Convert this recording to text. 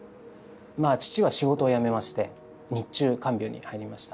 まあ父は仕事を辞めまして日中看病に入りました。